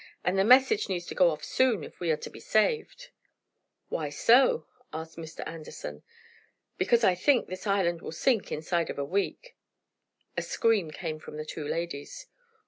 "And the message needs to go off soon, if we are to be saved." "Why so?" asked Mr. Anderson. "Because I think this island will sink inside of a week!" A scream came from the two ladies.